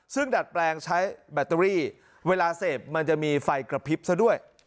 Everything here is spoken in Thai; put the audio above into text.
ซึ่งดัดแปลงใช้แบตเตอรี่เวลาเสพมันจะมีไฟกระพริบซะด้วย